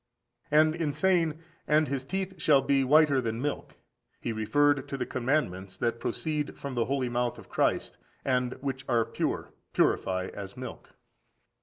13. And in saying, "And his teeth (shall be) whiter than milk," he referred to the commandments that proceed from the holy mouth of Christ, and which are pure (purify) as milk.